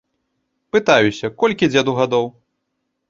Пытаюся, колькі дзеду гадоў?